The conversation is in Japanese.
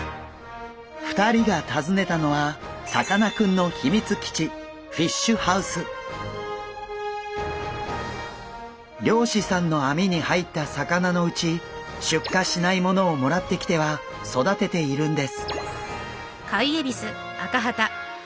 ２人が訪ねたのはさかなクンの秘密基地漁師さんの網に入った魚のうち出荷しないものをもらってきては育てているんです。